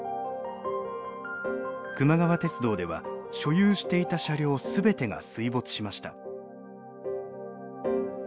くま川鉄道では所有していた車両全てが水没しました。